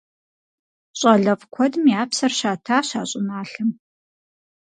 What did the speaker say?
ЩӀалэфӀ куэдым я псэр щатащ а щӀыналъэм.